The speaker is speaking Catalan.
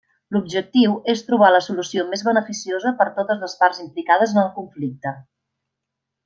L'objectiu és trobar la solució més beneficiosa per totes les parts implicades en el conflicte.